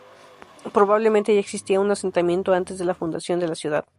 Probablemente ya existía un asentamiento antes de la fundación de la ciudad.